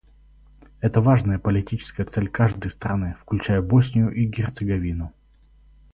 Это важная политическая цель каждой страны, включая Боснию и Герцеговину.